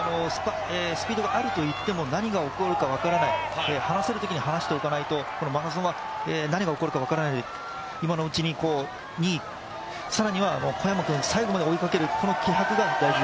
スピードがあるといっても何が起こるか分からない、離せるときに離しておかないと、マラソンは何が起こるのか分からないので、今のうちに２位、更には小山君を最後まで追いかける